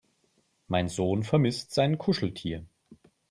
Mein Sohn vermisst sein Kuscheltier.